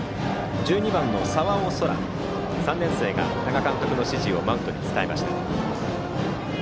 １２番の澤尾奏良３年生が多賀監督の指示をマウンドに伝えました。